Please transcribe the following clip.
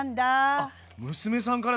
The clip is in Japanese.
あっ娘さんからなんだ。